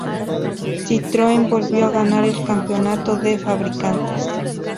Citroën volvió a ganar el Campeonato de Fabricantes.